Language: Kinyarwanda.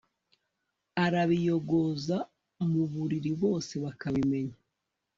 arabiyogoza mu buriri bose bakabimenya